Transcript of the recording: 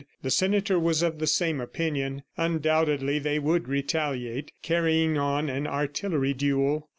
The senator was of the same opinion. Undoubtedly they would retaliate, carrying on an artillery duel.